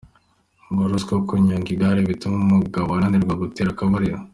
Wari uziko kunyonga igare bituma umugabo ananirwa gutera akabariro.